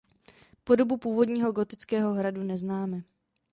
Podobu původního gotického hradu neznáme.